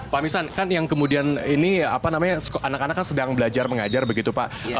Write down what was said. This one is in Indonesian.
pak misad kan yang kemudian ini anak anak kan sedang belajar mengajar begitu pak